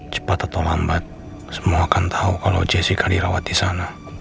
cepat atau lambat semua akan tahu kalau jessica dirawat di sana